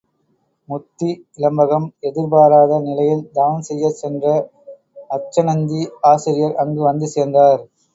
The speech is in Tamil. முத்தி இலம்பகம் எதிர்பாராத நிலையில் தவம் செய்யச் சென்ற அச்சணந்தி ஆசிரியர் அங்கு வந்து சேர்ந்தார்.